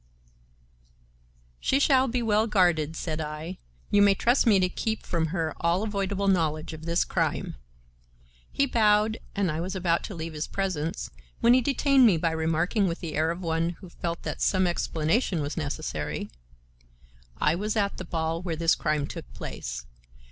"She shall be well guarded," said I. "You may trust me to keep from her all avoidable knowledge of this crime." He bowed and I was about to leave his presence, when he detained me by remarking with the air of one who felt that some explanation was necessary: "I was at the ball where this crime took place.